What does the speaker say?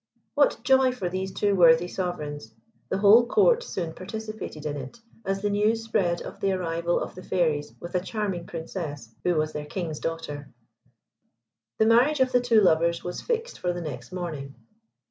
What joy for these two worthy sovereigns. The whole Court soon participated in it, as the news spread of the arrival of the Fairies with a charming Princess, who was their King's daughter. The marriage of the two lovers was fixed for the next morning.